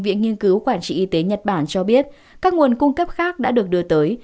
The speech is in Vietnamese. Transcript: viện nghiên cứu quản trị y tế nhật bản cho biết các nguồn cung cấp khác đã được đưa tới